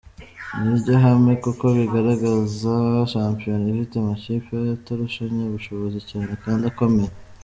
Ni ryo hame kuko bigaragaza shampiyona ifite amakipe atarushanya ubushobozi cyane kandi akomeye.